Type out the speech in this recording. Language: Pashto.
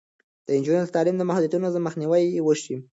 د نجونو د تعلیم له محدودیتونو مخنیوی وشي.